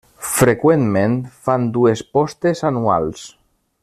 Freqüentment fan dues postes anuals.